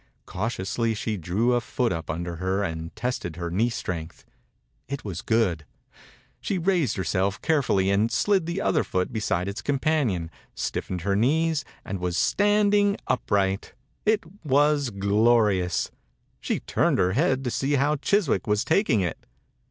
Cautiously she drew a foot up under her and tested her knee strength. It was good. She raised herself 89 THE INCUBATOR BABY carefully and slid the other foot beside its companion, stiffened her knees and was standing up right ! It was glorious 1 She turned her head to see how Chiswick was taking it.